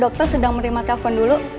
dokter sedang menerima telpon dulu